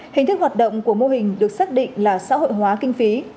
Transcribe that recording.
hình thức hoạt động của mô hình được xác định là xã hội hóa kinh phí